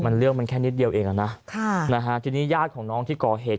มันเรื่องมันแค่นิดเดียวเองอ่ะนะค่ะนะฮะทีนี้ญาติของน้องที่ก่อเหตุ